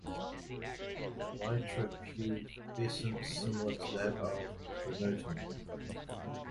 Elytra pubescence similar to that of pronotum.